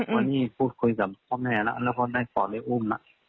วันนี้พูดคุยกับพ่อแม่แล้วแล้วก็ได้ฝ่าไม่อุ้ม